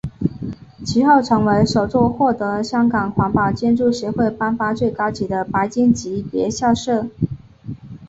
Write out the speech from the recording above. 其后成为首座获得香港环保建筑协会颁发最高级的白金级别校舍。